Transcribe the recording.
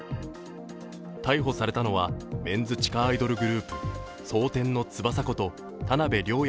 逮捕されたのはメンズ地下アイドルグループ蒼天の翼こと田辺稜弥